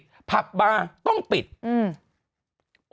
เพราะว่าถ้าคุณเห็นลายชื่อผับบาร์ที่คนที่ติดเชื้อโควิดมาแล้วเนี่ย